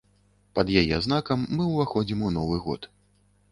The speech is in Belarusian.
Пад яе знакам мы ўваходзім у новы год.